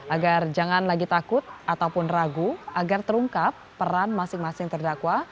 agar jangan lagi takut ataupun ragu agar terungkap peran masing masing terdakwa